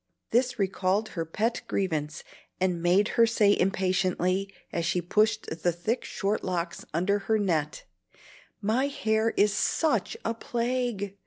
This recalled her pet grievance, and made her say impatiently, as she pushed the thick short locks under her net, "My hair is SUCH a plague!